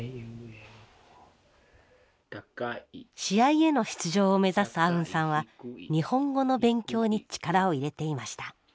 試合への出場を目指すアウンさんは日本語の勉強に力を入れていました。